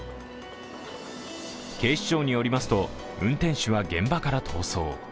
警視庁によりますと、運転手は現場から逃走。